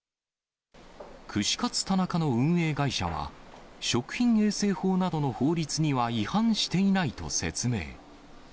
串カツ田中の運営会社は、食品衛生法などの法律には違反していないと説明。